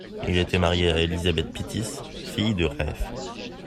Il était marié à Elizabeth Pittis, fille de Rev.